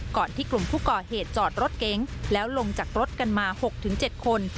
ก่อนที่กลุ่มผู้ก่อเหตุจอดรถเก๋งแล้วลงจากรถกันมา๖๗คน